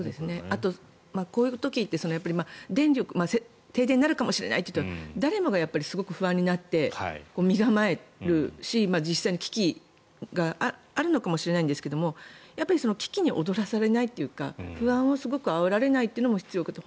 あとこういう時って停電になるかもしれないというと誰もがすごく不安になって身構えるし実際に危機があるのかもしれないんですが危機に脅されないというか不安をあおられないというのも必要かなと。